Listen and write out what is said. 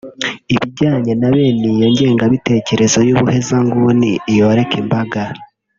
ibijyanye na bene iyo ngengabitekerezo y’ubuhezanguni yoreka imbaga